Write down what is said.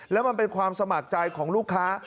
แล้วมันเป็นความสมัครใจของลูกค้า